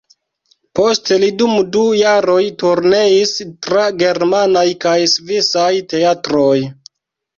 Poste li dum du jaroj turneis tra germanaj kaj svisaj teatroj.